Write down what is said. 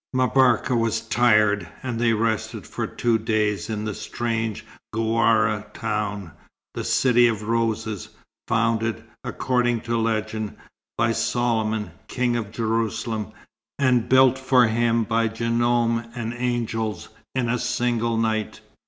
M'Barka was tired, and they rested for two days in the strange Ghuâra town, the "City of Roses," founded (according to legend), by Solomon, King of Jerusalem, and built for him by djenoum and angels in a single night.